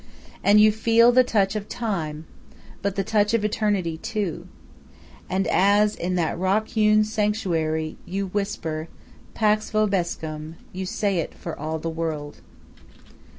And you feel the touch of time, but the touch of eternity, too. And as, in that rock hewn sanctuary, you whisper "Pax vobiscum," you say it for all the world.